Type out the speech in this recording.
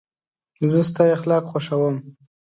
زه ستا اخلاق خوښوم.